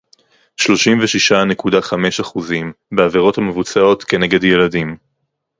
שלושים ושישה נקודה חמש אחוזים בעבירות המבוצעות כנגד ילדים